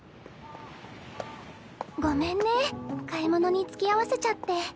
ごめんね買い物につきあわせちゃって。